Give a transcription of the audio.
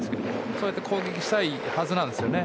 そうやって攻撃したいはずなんですよね。